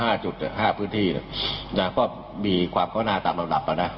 ห้าจุดห้าพื้นที่จะก็มีความเข้าหน้าตามระดับ